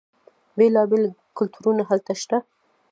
بیلا بیل کلتورونه هلته شته.